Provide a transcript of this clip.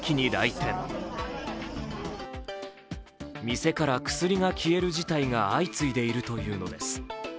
店から薬が消える事態が相次いでいるというのです。